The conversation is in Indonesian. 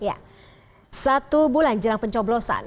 ya satu bulan jelang pencoblosan